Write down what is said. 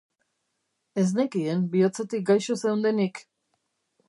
Ez nekien bihotzetik gaixo zeundenik.